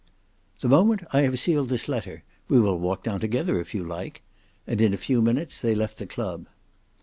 "The moment I have sealed this letter; we will walk down together, if you like!" and in a few minutes they left the club.